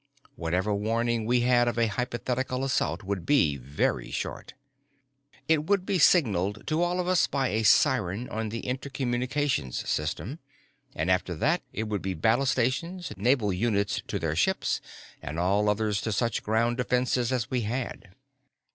Whatever warning we had of a hypothetical assault would be very short. It would be signaled to all of us by a siren on the intercommunications system, and after that it would be battle stations, naval units to their ships and all others to such ground defenses as we had.